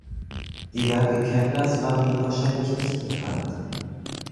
Die Werke Keplers waren ihm wahrscheinlich nicht bekannt.